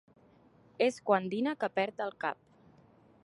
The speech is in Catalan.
És quan dina que perd el cap.